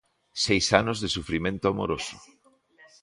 Seis anos de sufrimento amoroso.